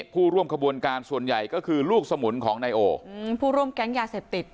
ผู้ร่วมขบวนการส่วนใหญ่ก็คือลูกสมุนของนายโอผู้ร่วมแก๊งยาเสพติด